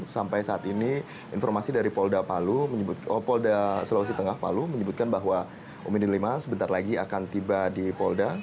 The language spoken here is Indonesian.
sampai saat ini informasi dari polda sulawesi tengah palu menyebutkan bahwa umi delima sebentar lagi akan tiba di polda